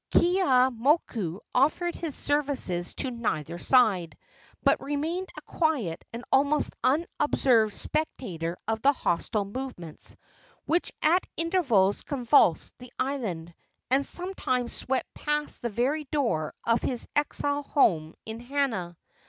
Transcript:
Keeaumoku offered his services to neither side, but remained a quiet and almost unobserved spectator of the hostile movements which at intervals convulsed the island, and sometimes swept past the very door of his exile home in Hana.